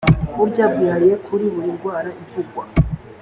buryo bwihariye kuri buri ndwara ivugwa